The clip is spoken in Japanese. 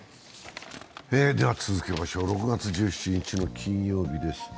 続けましょう、６月１７日の金曜日です。